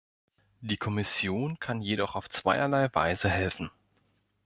Die Kommission kann jedoch auf zweierlei Weise helfen.